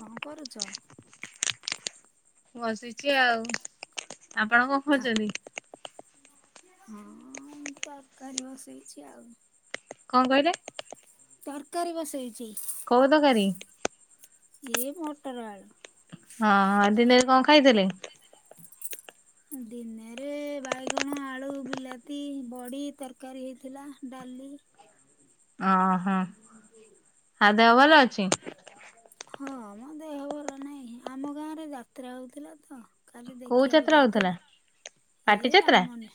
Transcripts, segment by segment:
କଣ କରୁଛ? ବସିଛି ଆଉ, ଆପଣ କଣ ଖା କରଛନ୍ତି? ହଁ ମୁଁ ତରକାରୀ ବସେଇଛି ଆଉ। କଣ କହିଲେ? ତରକାରୀ ବସେଇଛି। କୋଉ ତରକାରୀ? ଏଇ ମୋଟର ଆଳୁ। ହଁ ଦିନେ କଣ ଖାଇଥିଲେ? ଦିନେରେ ବାଇଗଣ, ଆଳୁ, ବିଲାତି, ବଡି ତରକାରୀ ହେଇଥିଲା ଡାଲି ଓଁହୋ, ଆଉ ଦେହ ଭଲ ଅଛି? ହଁ ମ ଦେହ ଭଲ ନହିଁ। ଆମ ଗାଁରେ ଯାତ୍ରା ହଉଥିଲା ତ। କାଲି କୋଉ ଦେଖିବାକୁ ଯାତ୍ରା ହଉଥିଲା? ଯାଇଥିଲି, ପାଟି ହେ ଯାତ୍ରା ରାମନ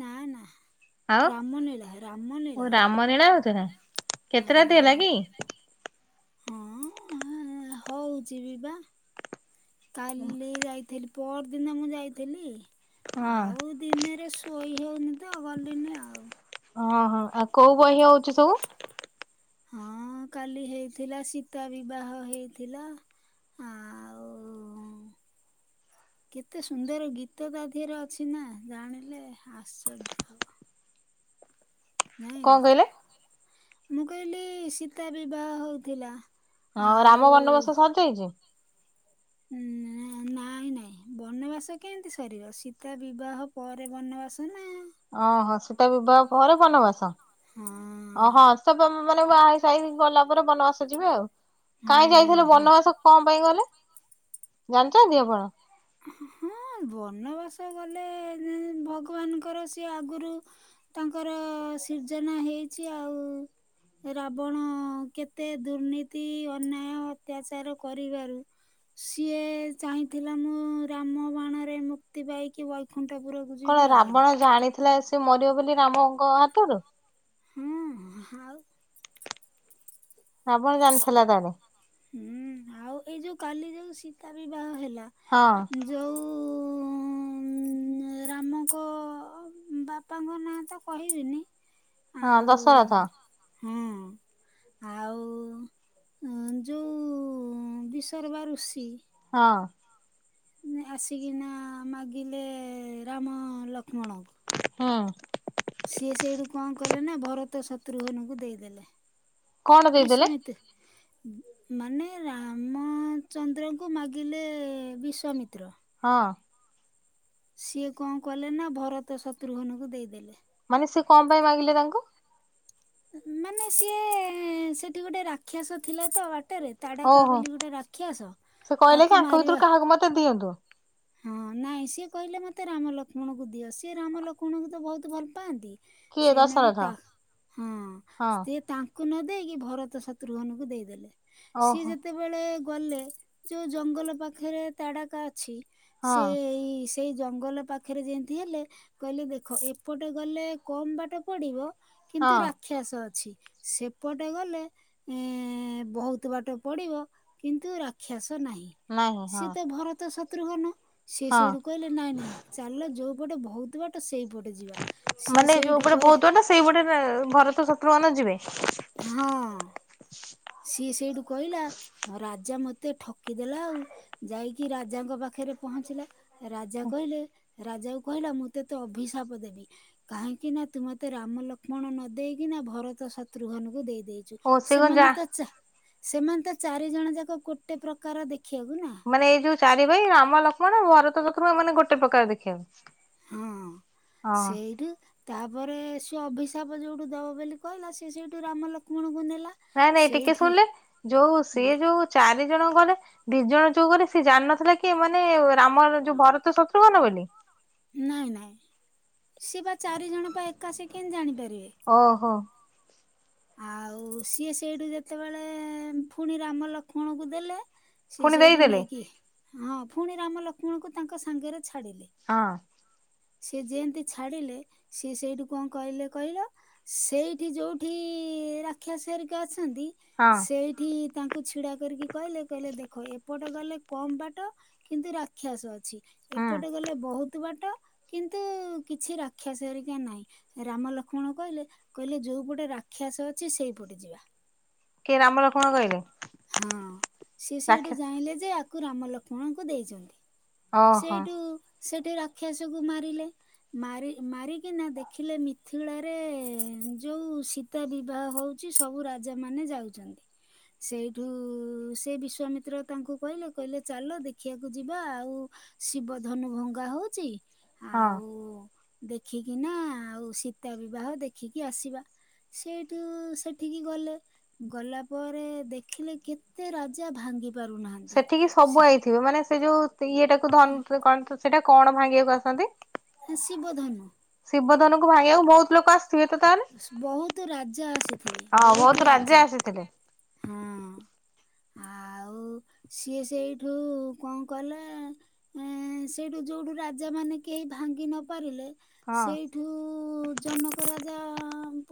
ନା ନା ରାମନୀଳା, ରାମନୀଳା। ମେଳା ହଉଥିଲା? ହଁ କେତେ ରାତି ହେଲା କି? ହଁ ହଉଛିି ବି ବା କାଲି ଯାଇଥିଲି ପହରଦିନ ମୁଁ ଯାଇଥିଲି ହଁ। ଆଉ ଦିନେରେ ଶୋଇ ହଉନି ତ ଗଲିନି ଆଉ। ଓହଁ ଆଉ କୋଉ ବହି ହଉଛି ସବୁ? ହଁ କାଲି ହେଇଥିଲା ସୀତା ବିବାହ ହେଇଥିଲା। ଆଉ କେତେ ସୁନ୍ଦର ଗୀତ ତା ଦେହରେ ଅଛି ନା ଜାଣିଲେ ଆଶ୍ଚର୍ଯ୍ୟ ହବ। କଣ ଯାଇଁଲ କହିଲେ? ମୁଁ କହିଲି ସୀତା ବିବାହ ହଉଥିଲା। ହଁ ଆଉ ରାମ ବନବାସ ସରି ଯାଇଛି? ହୁଁ ନା ନାଇଁ ନାଇଁ ବନବାସ କେମିତି ସରିବ ସୀତା ବିବାହ ପରେ ବନବାସ ନା ଓ ହ ସୀତା ବିବାହ ପରେ ବନବାସ ହଁ। ଓହଁ ସେ ବ ମାନେ ବାହା ହେଇ ସାରି ଗଲା ପରେ ବନବାସ ଯିବେ ଆଉ। କାହିଁ ହଁ ଯାଇଥିଲେ ହଁ। ବନବାସ କଣ ପାଇଁ ଗଲେ ଜାଣିଛନ୍ତି ଆପଣ? ହଁ ବନବାସ ଗଲେ ଭଗବାନଙ୍କର ସିଏ ଆଗୁରୁ ତାଙ୍କର ସିର୍ଜନା ହେଇଛି ଆଉ ରାବଣ କେତେ ଦୁର୍ନୀତି ଅନ୍ୟାୟ ଅତ୍ୟାଚାର କରିବାରୁ ସିଏ ଚାହିଁଥିଲା ମୁଁ ରାମ ବାଣରେ ମୁକ୍ତି ପାଇକି ବୈକୁଣ୍ଠପୁର କଣ ରାବଣ ଜାଣିଥିଲା ସେ ମରିବ ବୋଲି ରାମଙ୍କ ହାତୁରୁ? ହୁଁ ଆଉ ରାବଣ ଜାଣିଥିଲା ତାହେଲେ? ହୁଁ ଆଉ ଏଇ ଯୋଉ କାଲି ଯୋଉ ସୀତା ବିବାହ ହେଲା ହଁ। ଯୋଉ ରାମଙ୍କ ବାପାଙ୍କ ନାଁ ତ କହିବିନି ହଁ ଦଶରଥ। ହୁଁ ଆଉ ଉଁ ଯୋଉଁ ବିସର୍ବା ଋଷି ହଁ। ଆସିକିନା ମାଗିଲେ ରାମ ଲକ୍ଷ୍ମଣ ହଁ। ସିଏ ସେଇଠୁ କଣ କଲେ ନା ଭରତ ଶତ୍ରୁଘନକୁ ଦେଇଦେଲେ। କଣ ଦେଇଦେଲେ? ବିଶ୍ଵାମିତ ମାନେ ରାମଚନ୍ଦ୍ରଙ୍କୁ ମାଗିଲେ ବିଶ୍ଵମିତ୍ର ହଁ। ସିଏ କଣ କଲେ ନା ଭରତ ଶତ୍ରୁଘନକୁ ଦେଇଦେଲେ। ମାନେ ସେ କଣ ପାଇଁ ମାଗିଲେ ତାଙ୍କୁ? ମାନେ ସିଏ ସେଠି ଗୋଟେ ରାକ୍ଷସ ଥିଲା ତ ବାଟେରେ ତାଡ଼କା ଓହୋ ବୋଲି ଗୋଟେ ରାକ୍ଷାସ ସେ କହିଲେ କି ତାକୁ ଆଙ୍କ ଭିତରୁ ମାରିବା କାହାକୁ ମତେ ଦିଅନ୍ତୁ। ହଁ ନାଇଁ ସିଏ କହିଲେ ମତେ ରାମ ଲକ୍ଷ୍ମଣଙ୍କୁ ଦିଅ ସିଏ ରାମ ଲକ୍ଷ୍ମଣଙ୍କୁ ତ ବହୁତ ଭଲ ପାଆନ୍ତି। କିଏ ସେଥିନାଗୀ ଦଶରଥ? ତା ହଁ ହଁ ସେ ତା ଙ୍କୁ ନଦେଇକି ଭରତ ଶତ୍ରୁଘନକୁ ଦେଇଦେଲେ ସିଏ ଓହୋ ଯେତେ ବେଳେ ଗଲେ ଯୋଉ ଜଙ୍ଗଲ ପାଖରେ ତାଡ଼ାକା ଅଛି ହଁ ସେ ଏଇ ଏଇ ଜଙ୍ଗଲ ପାଖରେ ଯେମିତି ହେଲେ କହିଲେ ଦେଖ ଏପଟେ ଗଲେ କମ୍ ବାଟ ପଡ଼ିବ ହଁ କିନ୍ତୁ ରା ଖ୍ୟାସ ଅଛି ସେପଟେ ଗଲେ ଏ ବହୁତ ବାଟ ପଡ଼ିବ କିନ୍ତୁ ରାକ୍ଷସ ନାହିଁ। ନାହିଁ ହଁ ସିଏ ତ ଭରତ ଶତ୍ରୁଘନ ସିଏ ହଁ ସେଇଠୁ କହିଲେ ନାଇଁ ନାଇଁ ଚାଲ ଯୋଉ ପଟେ ଭହୁତ ବାଟ ସେଇପଟେ ଯିବା ସିଏ ମାନେ ଯୋଉ ସେଇଠୁ ପଟେ କହି ବହୁତ ବାଟ ସେଇ ପଟେ ରେ ଭରତ ଶତ୍ରୁଘ୍ନ ଯିବେ? ହଁ। ସିଏ ସେଇଠୁ କହିଲା ଆଉ ରାଜା ମତେ ଠକିଦେଲା ଆଉ ଯାଇକି ରାଜାଙ୍କ ପାଖରେ ପହଞ୍ଚିଲା। ରାଜା କହିଲେ ରାଜା କୁ କହିଲା ମୁଁ ତତେ ଅଭିଶାପ ଦେବି। କାହିଁକି ନା ତୁ ମତେ ରାମ ଲକ୍ଷ୍ମଣ ନ ଦେଇକି ନା ଭରତ ଶତ୍ରୁଘ୍ନଙ୍କୁ ଦେଇ ଦେଇ ଛୁ ଓ ସେ କଣ ଯା ସେମାନେ ତ ଚା ସେମାନେ ତ ଚାରିଜଣ ଯାକ ଗୋଟେ ପ୍ରକାର ଦେଖିବାକୁ ନା। ମାନେ ଏଇ ଯୋଉ ଚାରି ଭାଇ ରାମ, ଲକ୍ଷ୍ମଣ, ଭରତ, ଲକ୍ଷ୍ମନ ଗୋଟେ ପ୍ରକାର ଦେଖିବାକୁ। ହଁ ହଁ ସେଇଠୁ। ତାପରେ ସେ ଅଭିଶାପ ଯୋଉଠୁ ଦବ ବୋଲି କହିଲା ସିଏ ସେଇଠୁ ରାମ ଲକ୍ଷ୍ମଣଙ୍କୁ ନେଲା। ନାଇଁ ନାଇଁ ଟିକେ ସେଇଠି ଶୁଣିଲେ ଯୋଉ ହୁଁ। ସିଏ ଯୋଉ ଚାରି ଜଣ ଗଲେ। ଦି ଜଣ ଯୋଉ ଗଲେ ସିଏ ଜାଣିନଥିଲା କି ଏମାନେ ରାମର ଯୋଉ ଭରତ ଶତ୍ରୁଘ୍ନ ବୋଲି। ନାଇଁ ନାଇଁ ସେ ବା ଚାରିଜଣ ପା ଏକା ସେ କେମତି ଜାଣିପାରିବେ। ଓହୋ। ଆଉ ସିଏ ସେଇଠୁ ଯେତେବେଳେ ପୁଣି ରାମ ଲକ୍ଷ୍ମଣକୁ ଦେଲେ। ସିଏ ପୁଣି ସେଇଠୁ ଦେଇଦେଲେ ନେଇକି ହଁ ପୁଣି ରାମ ଲକ୍ଷ୍ମଣଙ୍କୁ ତାଙ୍କ ସାଙ୍ଗରେ ଛାଡିଲେ। ହଁ। ସିଏ ଯେନ୍ତି ଛାଡିଲେ ସିଏ ସେଇଠୁ କଣ କହିଲେ କହିଲ। ସେଇଠି ଯଉଠି ରାକ୍ଷସୀ ହେରିକା ଅଛନ୍ତି। ହଁ ସେଇଠି ତାଙ୍କୁ ଛିଡା କରିକି କହିଲେ କହିଲେ ଦେଖ ଏପଟ ଗଲେ। କମ ବାଟ କିନ୍ତୁ ରାକ୍ଷସ ଅଛି ହୁଁ ଏପଟେ ଗଲେ ବହୁତ ବାଟ। କିନ୍ତୁ କିଛି ରାକ୍ଷସ ହେରିକା ନାହିଁ। ରାମ ଲକ୍ଷ୍ମଣ କହିଲେ କହିଲେ ଯୋଉପଟେ ରାକ୍ଷାଶ ଅଛି ସେଇପଟେ ଯିବା। କେ ରାମ ଲ ହଁ ସିଏ ସେଇଠୁ ରାକ୍ଷସ ଜାଣିଲେ ଯେ ଆକୁ ରାମ ଲକ୍ଷ୍ କ୍ଷଣ ଙ୍କୁ ଦେଇଛନ୍ତି ଓହୋ ସେଇଠୁ ସେଠି ରାକ୍ଷସକୁ ମାରିଲେ। ମାରି ମାରିକିନା ଦେଖିଲେ ମିଥିୁଳାରେ ଯୋଉ ସି ତା ବିବାହ ହଉଛି ସବୁ ରାଜା ମାନେ ଯାଉଛନ୍ତି। ସେଇଠୁ ସେ ବିଶ୍ଵାମିତ୍ର ତାଙ୍କୁ କହିଲେ କହିଲେ ଚାଲ ଦେଖିବାକୁ ଯିବା ଆଉ। ଶିବ ଧନୁ ଭଙ୍ଗା ହଉଛି ହଁ। ଆଉ। ଦେଖିକି ନା ଆଉ ସୀତା ବିବାହ ଦେଖିକି ଆସିବା। ସେଠୁ ସେଠିକି ଗଲେ ଗଲା। ପରେ ଦେଖିଲେ କେତେ ରାଜା ଭାଙ୍ଗି ପାରୁନାହାନ୍ତି। ସେଠିକି ସବୁ ଆଇଥିବେ ମାନେ ସେ ଯୋଉ ଇଏଟାକୁ ଧନ୍ କଣ ତ ସେଟା କଣ ଭାଙ୍ଗିବାକୁ ଆସନ୍ତି। ଶିବଧନୁ। ଶିବଧନୁ ଭାଙ୍ଗିବାକୁ ବହୁତ ଲୋକ ଆସିଥିବେ ତ ତାହେଲେ ବହୁତ ରାଜା ଆସିଥିବେ ହଁ ବହୁତ ରାଜା ଆସିଥିଲେ। ହଁ। ଆଉ ସିଏ ସେଇଠୁ କଣ କଲେ। ଏଁ ସେଇଠୁ ଯୋଉଠୁ ରାଜା ମାନେ କେହି ଭାଙ୍ଗି ନ ପାରିଲେ। ହଁ ସେଇଠୁ ଜନକ ରାଜା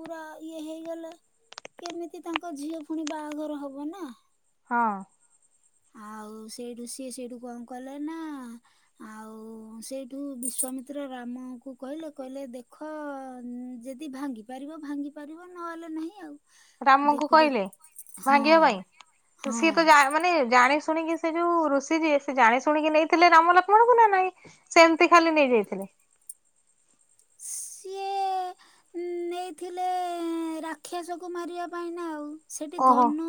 ପୁରା ଇଏ ହେଇଗଲେ। କେମିତି ତାଙ୍କ ଝିଅ ପୁଣି ବାହାଘର ହବ ନା। ହଁ। ଆଉ ସେଇଠୁ ସିଏ ସେଇଠୁ କଣ କଲେ ନା। ଆଉ ସେଇଠୁ ବିଶ୍ଵାମିତ୍ର ରାମ କୁ କହିଲେ କହିଲେ ଦେଖ। ଯଦି ଭାଙ୍ଗି ପାରିବ ଭାଙ୍ଗି ପାରିବ ନହେଲେ ନାହିଁ ଆଉ। ରାମଙ୍କୁ ଦେଖୁ କହିଲେ ଦେଖୁ ହଁ ଭାଗିବା ପାଇଁ ହଁ ସିଏ ତ ଯା ମାନେ ଜାଣି ଶୁଣିକି ସେ ଯୋଉ ଋଷି ଯିଏ ସେ ଜାଣି ଶୁଣିକି ନେଇଥିଲେ ରାମ ଲକ୍ଷ୍ମଣଙ୍କୁ ନା ନାଇଁ। ସେମିତି ଖାଲି ନେଇଯାଇଥିଲେ। ସିଏ [unintelligible] ନେଇଥିଲେ ରାକ୍ଷସକୁ ମାରିବା ପାଇଁ ନା ଆଉ। ସେଠି ଓହୋ ଧନୁ।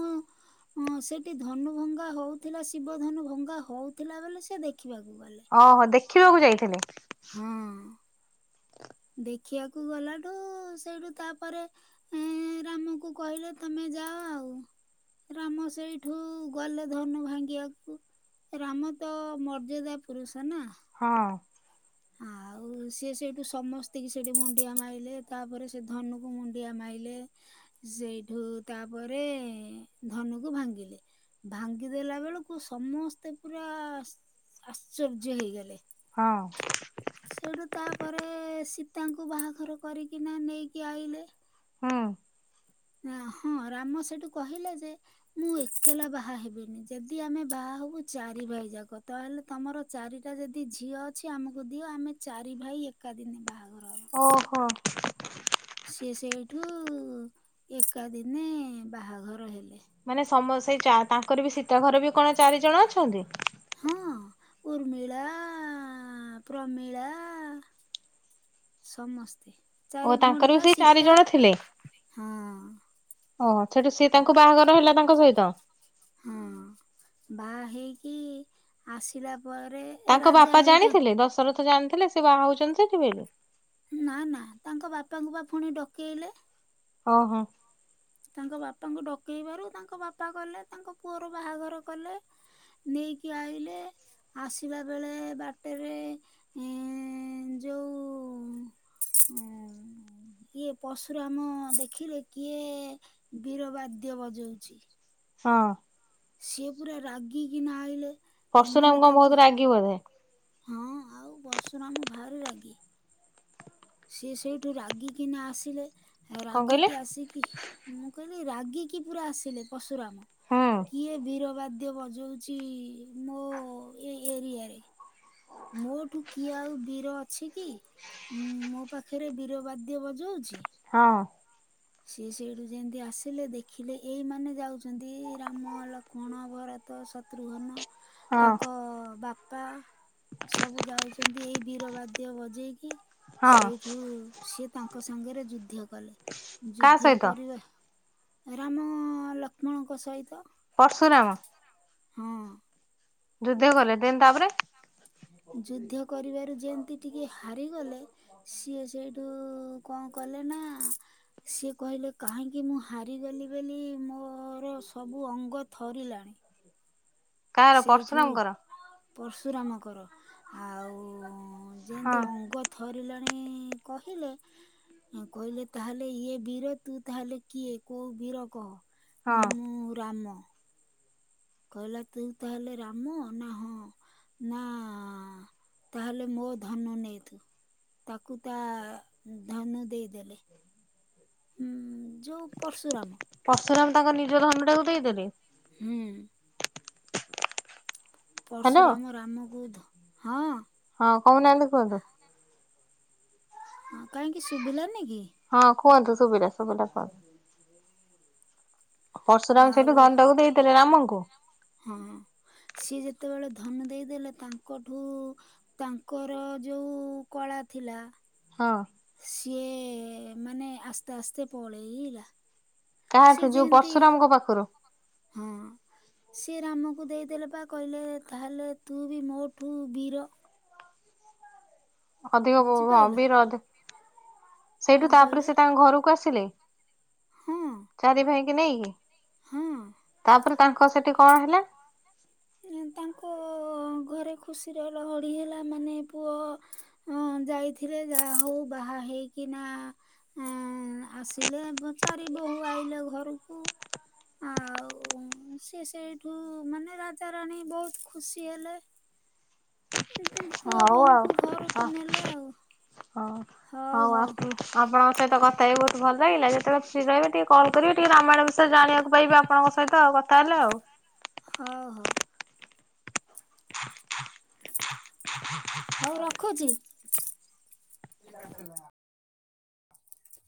ହଁ ସେଠି ଧନୁ ଭଙ୍ଗା ହଉଥିଲା ଶିବ ଧନୁ ଭଙ୍ଗା ହଉଥିଲା ବୋଲି ସେଦେଖିବାକୁ ଗଲେ। ହଁ ହଁ ଦେଖିବାକୁ ଯାଇଥିଲେ। ହଁ ଦେଖିଆକୁ ଗଲାଠୁ ସେଇଠୁ ତାପରେ ଉଁ, ରାମକୁ କହିଲେ ତମେ ଯାଅ ଆଉ। ରାମ ସେଇଠୁ ଗଲେ ଧନୁ ଭାଙ୍ଗିଆକୁ। ରାମତ ମର୍ଯ୍ୟାଦା ପୁରୁଷନା। ହଁ। ହୁଁ। ସିଏ ସେଇଠୁ ସମସ୍ତିକି ସେଠି ମୁଣ୍ଡିଆ ମାଇଲେ ତାପରେ ସେଧନୁକୁ ମୁଣ୍ଡିଆ ମାଇଲେ ସେଇଠୁ ତାପରେ ଧନୁକୁ ଭାଙ୍ଗିଲେ ଭାଙ୍ଗିଦେଲା ବେଳକୁ ସମସ୍ତେ ପୁରା ଆଶ୍ଚର୍ଯ୍ୟ ହେଇଗଲେ। ହଁ। ସେଇଠୁ ତାପରେ ସୀତାଙ୍କୁ ବାହାଘର କରିକିନା ନେଇକି ଆଇଲେ ହୁଁ। ନା ହଁ ରାମସେଠୁ କହିଲେଯେ ମୁଁ ଏକେଲା ବାହାହେବିନି ଯଦି ଆମେ ବାହାହବୁ ଚାରି ଭାଇଯାକ ତାହେଲେ ତମର ଚାରିଟା ଯଦି ଝିଅ ଅଛି ଆମକୁ ଦିଅ ଆମେ ଚାରି ଭାଇ ଏକାଦିନେ ବାହାଘର ହବ। ହଁ। ସିଏ ସେଇଠୁ ଏକାଦିନେ ବାହାଘର ହେଲେ। ମାନେ ସମ ସେଇ ଚା ତାଙ୍କରବି ସୀତା ଘରେବି କଣ ଚାରିଜଣ ଅଛନ୍ତି? ହଁ ଉର୍ମିଳା ପ୍ରମିଳା ସମସ୍ତେ ଓ ଚାରି ତାଙ୍କର ବି ଭଉଣୀବା ସେଇ ଚାରି ସୀତା ଜଣ ହଁ। ହଁ ସେଠୁ ସିଏତାଙ୍କୁ ବାହାଘର ହେଲା ତାଙ୍କ ସହିତ? ହଁ ବାହାହେଇକି ଆସିଲା ପରେ ତାଙ୍କ ରାଜା ବାପା ହେରିକା ଜାଣିଥିଲେ ଦଶରଥ ଜାଣିଥିଲେ ସେ ବାହା ହଉଛନ୍ତି ସେଠି ବୋଲି? ନା ନା ତାଙ୍କ ବାପାଙ୍କୁବା ଫୁଣି ଡକେଇଲେ। ଓହୋ। ତାଙ୍କ ବାପାଙ୍କୁ ଡକେଇବାରୁ ତାଙ୍କ ବାପା ଗଲେ ତାଙ୍କ ପୁଅର ବାହାଘର କଲେ। ନେଇକି ଆଇିଲେ ଆସିଲା ବେଳେ ବାଟରେ ଏଁ ଯୋଉ ଉଁ ହୁଁ ଇଏ ପର୍ଶୁରାମ ଦେଖିଲେ କିଏ ବୀର ବାଦ୍ୟ ବଜଉଛି। ହଁ। ସିଏ ପୁରା ରାଗିକିନା ଆଇଲେ ପର୍ଶୁରାମ ମାନେ କଣ ବହୁତ ତାଙ୍କୁ ରାଗି ବୋଧେ ହଁ ଆଉ ପର୍ଶୁରାମ ଭାରି ରାଗି। ସିଏ ସେଇଠୁ ରାଗୀକିନା ଆସିଲେ କଣ କହିଲେ ରାଗିକିି ଆସିକି ମୁଁ କହିଲି ରାଗିକି ପୁରା ଆସିଲେ ପର୍ଶୁରାମ ହୁଁ କିଏ ବୀରବାଦ ଦ୍ୟ ବଜାଉଚି ମୋଏଇ ଏରିଆରେ ମୋଠୁ କିଏଆଉ ବୀର ଅଛିକି? ଉଁ ମୋପାଖରେ ବୀର ବାଦ୍ୟ ବଜଉଛି। ହଁ। ସିଏ ସେଇଠୁ ଯେମତି ଆସିଲେ ଦେଖିଲେ ଏଇମାନେ ଯାଉଛନ୍ତି ରାମ, ଲକ୍ଷ୍ମଣ, ଭରତ ସ ତ୍ରୃଘନ ହଁ। ତାଙ୍କ ବାପା ସବୁ ଯାଉଚନ୍ତି ଏଇ ବୀରବାଦ୍ୟ ବଜେଇକି ହଁ ସେଇଠୁ ସିଏ ତାଙ୍କ ସାଙ୍ଗରେ ଯୁଦ୍ଧ କଲେ। କାହା ଯୁଦ୍ଧ ସହିତ କରିବା ରାମ ଲକ୍ଷ୍ମଣଙ୍କ ସହିତ। ପର୍ଶୁରାମ। ହଁ। ଯୁଦ୍ଧ କଲେ ଦେନ୍ ତାପରେ ଯୁଦ୍ଧ କରିବାରୁ ଯେମିତି ଟିକେ ହାରିଗଲେ ସିଏ ସେଇଠୁ କଣ କଲେ ନା ସିଏ କହିଲେ କାହିଁକି ମୁଁ ହାରିଗଲି ବୋଲି ମୋ ମୋର ସବୁ ଅଙ୍ଗ ଥରିଲାଣି। କାହାର ସେଇଠୁ ପର୍ଶୁରାମଙ୍କର ପରଶୁରାମଙ୍କର ଆଉ ହଁ ଯେମିତି ଅଙ୍ଗ ଥରିଲାଣି କହିଲେ କହିଲେ ତାହେଲେ ଇଏ ବୀର ତୁ ତାହେଲେ କିଏ କୋଉ ବୀର କହ। ହଁ ନା ମୁଁ ରାମ। କହିଲା ତୁ ତାହେଲେ ରାମ ନା ହଁ। ନା ତାହେଲେ ମୋ ଧନୁ ନେଏତୁ। ତାକୁ ତା ଧନୁ ଦେଇଦେଲେ। ଯୋଉ ପରର୍ଶୁରାମ। ପରଶୁରାମ ତାଙ୍କ ନିଜ ଧନୁ ଟାକୁ ଦେଇଦେଲେ? ହୁଁ। ହ୍ୟାଲୋ ପରଶୁରାମ ରାମକୁ ଧ ହଁ। ହଁ କଉନାହାନ୍ତି କୁହନ୍ତୁ? ହଁ କାହିଁକି ଶୁଭିଲାନି କି? ହଁ କୁହନ୍ତୁ ସୁବିଲା ସୁବିିଲା କୁହନ୍ତୁ? ପରଶୁରାମ ଆଉ ସେଇଠୁ ଧନୁଟାକୁ ଦେଇଥିଲେ ରାମଙ୍କୁ? ହଁ ସିଏ ଯେତେବେଳେ ଧନୁ ଦେଇଦେଲେ ତାଙ୍କଠୁ ତାଙ୍କର ଯୋଉ କଳା ଥିଲା। ହଁ। ସିଏ ମାନେ ଆସ୍ତେ ଆସ୍ତେ ପଳେଇଲା। କାହାଠୁ ସିଏ ଯୋଉ ଯେମିତି ପର୍ଶୁରାମଙ୍କ ପାଖରୁ ହଁ। ସିଏ ରାମକୁ ଦେଇଦେଲେ ପା କହିଲେ ତାହେଲେ ତୁ ବି ମୋଠୁ ବୀର। ଅଧିକ ଵ ଭା ବୁଝିପାଇଲ ବିର ଅଧି ସେଇଠୁ କଣ ତାପରେ କହିଲେ ସେ ତାଙ୍କ ଘରକୁ ଆସିଲେ? ହୁଁ। ଚାରି ଭାଇଙ୍କି ନେଇକି ତାପରେ ତାଙ୍କ ସେଠି କଣ ହେଲା? ତାଙ୍କ ଘରେ ଖୁସିର ଲହଡ଼ି ହେଲା ମାନେ ପୁଅ ହଁ ଯାଇଥିଲେ ଯାହା ହୋଉ ବାହା ହେଇକି ନା ଏ ଆସିଲେ ଚାରି ବୋହୂ ଆଇଲେ ଘରକୁ। ଆଉ ସେ ସେଇଠୁ ମାନେ ରାଜାରାଣୀ ବୋହୁତ ଖୁସି ହେଲେ। ଏ ପୁଅ ହଉ ଆଉ ବୋହୂଙ୍କୁ ଘରକୁ ନେଲା ଆଉ। ହଁ ହଉ ହୋଉ ହଉ ଆସୁଚି। ଆପଣଙ୍କ ସହିତ କଥା ହେଇ ବୋହୁତ ଭଲ ଲାଗିଲା ଯେତେବେଳେ ଫ୍ରିରହିବେ ଟିକେ କଲ କରିବେ ଟିକେ ରାମାୟଣ ବିଷୟରେ ଜଣିବାକୁ ପାଇବା। ଆପଣଙ୍କ ସହିତ ଆଉ କଥା ହେଲେ ଆଉ। ହୋଉ ହୋଉ। ହୋଉ ରଖୁଚି। [inaudible]